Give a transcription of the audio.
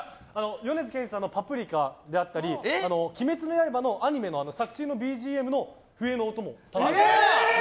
米津玄師さんの「パプリカ」であったり「鬼滅の刃」のアニメの作中のＢＧＭの笛の音も。